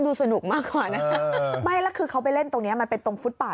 ดิฉินว่าเขาดูสนุกมากกว่า